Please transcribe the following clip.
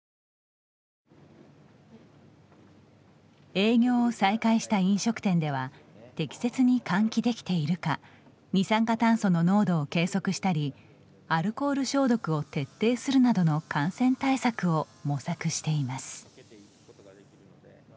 営業を再開した飲食店では適切に換気できているか二酸化炭素の濃度を計測したりアルコール消毒を徹底するなどの感染対策を模索しています。